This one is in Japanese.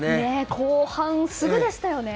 後半すぐでしたよね。